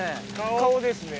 顔ですね。